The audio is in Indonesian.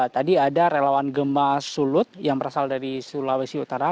tadi ada relawan gemas sulut yang berasal dari sulawesi utara